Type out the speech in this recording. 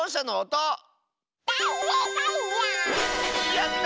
やった！